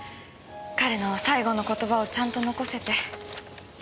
彼の最後の言葉をちゃんと残せて。